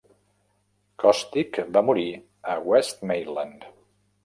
Cosstick va morir a West Maitland.